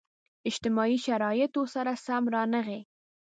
اجتماعي شرایطو سره سم رانغاړي.